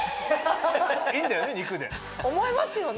いいんだよね？